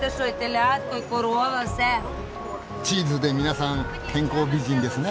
チーズで皆さん健康美人ですね？